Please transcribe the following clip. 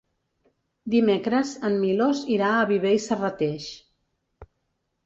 Dimecres en Milos irà a Viver i Serrateix.